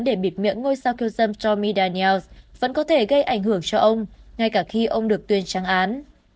để bịt miệng ngôi sao kiêu dâm tommy daniels vẫn có thể gây ảnh hưởng cho ông ngay cả khi ông được tuyên trang án